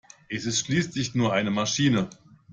Es ist schließlich nur eine Maschine!